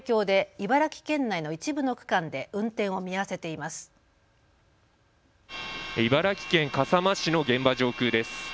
茨城県笠間市の現場上空です。